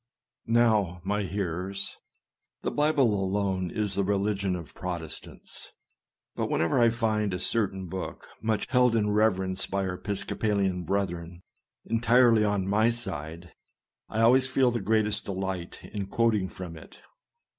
Now, my hearers, " the Bible alone is the religion of Protestants ;" but whenever I find a certain book much held in reverence by our Episcopalian brethren, entirely on my side, I always feel the greatest delight in quoting from it.